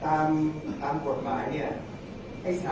แต่ว่าไม่มีปรากฏว่าถ้าเกิดคนให้ยาที่๓๑